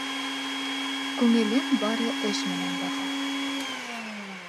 Күңелен бары эш менән баҫа...